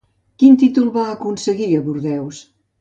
Quin títol va aconseguir a Bordeus?